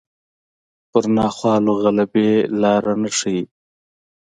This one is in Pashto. پر ناخوالو غلبې لاره نه ښيي